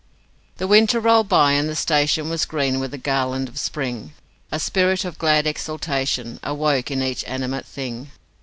..... The winter rolled by, and the station Was green with the garland of spring A spirit of glad exultation Awoke in each animate thing.